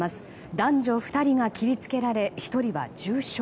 男女２人が切り付けられ１人は重傷。